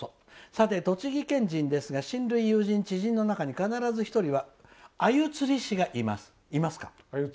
さて、栃木県民ですが親類、友人、知人の中に必ず１人は鮎釣り師がいます」。